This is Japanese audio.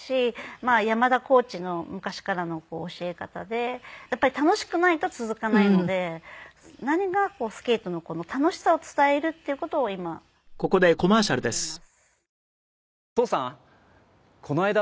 まあ山田コーチの昔からの教え方でやっぱり楽しくないと続かないので何がスケートの楽しさを伝えるっていう事を今やっています。